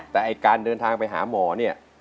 แต่ไอ้การเดินทางไปหาหมอเนี่ย